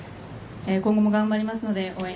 今後も頑張りますので応援